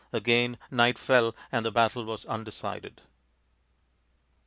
Again night fell and the battle was undecided.